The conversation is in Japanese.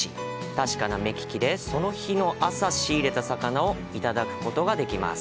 確かな目利きでその日の朝仕入れた魚をいただくことができます。